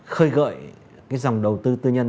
khơi gợi dòng đầu tư tư nhân